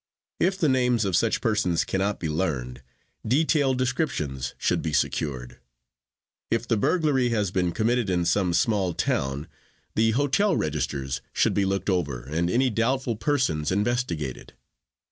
If the names of such persons cannot be learned, detailed descriptions should be secured. If the burglary has been committed in some small town, the hotel registers should be looked over and any doubtful persons investigated.